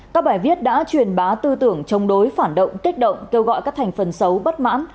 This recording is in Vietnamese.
các bài viết đã truyền bá tư tưởng chống đối phản động kích động kêu gọi các thành phần xấu bất mãn